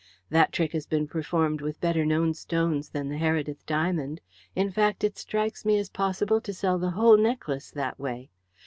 "That trick has been performed with better known stones than the Heredith diamond. In fact, it strikes me as possible to sell the whole necklace that way.